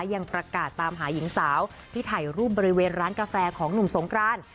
ยังประกาศตามหาหญิงสาวที่ถ่ายรูปบริเวณร้านกาแฟของหนุ่มสงกราน